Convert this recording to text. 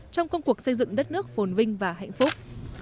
trong công cuộc xây dựng đất nước phồn vinh và hạnh phúc